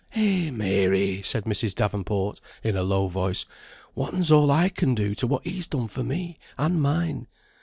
"Eh, Mary!" said Mrs. Davenport, in a low voice. "Whatten's all I can do, to what he's done for me and mine?